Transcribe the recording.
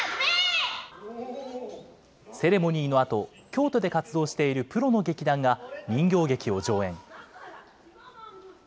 セレモニーのあと、京都で活動しているプロの劇団が、人形劇を上演。